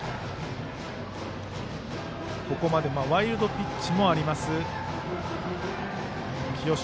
ここまでワイルドピッチもあります清重。